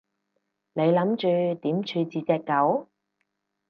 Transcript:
你諗住點處置隻狗？